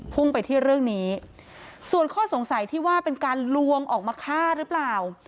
พุ่งไปที่เรื่องนี้ส่วนข้อสงสัยที่ว่าเป็นการลวงออกมาฆ่าหรือเปล่า